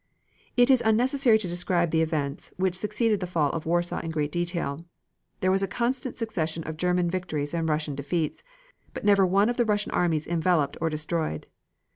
It is unnecessary to describe the events which succeeded the fall of Warsaw in great detail. There was a constant succession of German victories and Russian defeats, but never one of the Russian armies enveloped or destroyed.